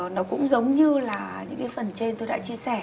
nó cũng giống như là những cái phần trên tôi đã chia sẻ